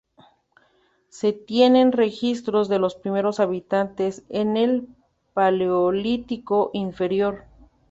Se tienen registros de los primeros habitantes en el paleolítico inferior.